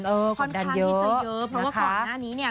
เออกดดันเยอะเพราะว่าก่อนหน้านี้เนี่ย